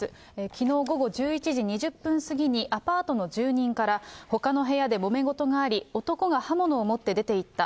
きのう午後１１時２０分過ぎに、アパートの住人から、ほかの部屋でもめ事があり、男が刃物を持って出ていった。